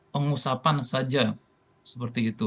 pengusapan saja seperti itu